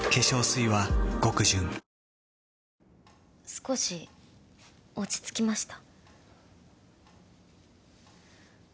少し落ち着きました？